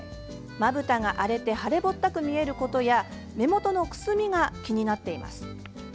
まぶたが荒れて腫れぼったく見えることや目元のくすみが気になっています。